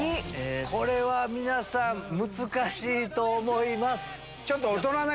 これは皆さん難しいと思います。